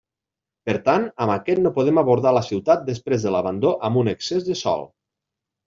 Per tant, amb aquest no podem abordar la ciutat després de l'abandó amb un excés de sòl.